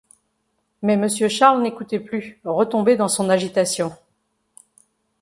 Mais Monsieur Charles n’écoutait plus, retombé dans son agitation.